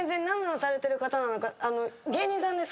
何をされてる方なのか。